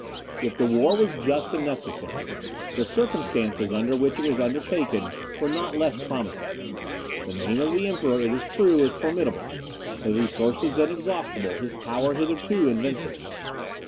If the war was just and necessary, the circumstances under which it was undertaken were not less promising. The name of the Emperor, it is true, was formidable, his resources inexhaustible, his power hitherto invincible.